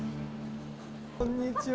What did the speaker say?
こんにちは。